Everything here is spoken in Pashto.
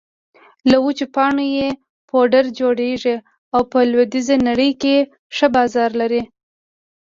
له وچو پاڼو يې پوډر جوړېږي او په لویدېزه نړۍ کې ښه بازار لري